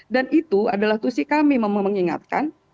dan itu adalah tusik kami mengingatkan